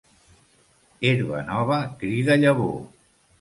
Herba nova crida llavor.